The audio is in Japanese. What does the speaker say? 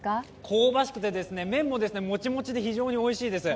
香ばしくて、麺ももちもちで非常においしいです。